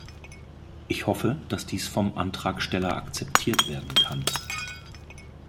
Ich hoffe, dass dies vom Antragsteller akzeptiert werden kann.